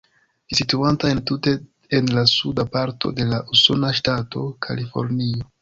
Ĝi situanta entute en la suda parto de la usona ŝtato Kalifornio.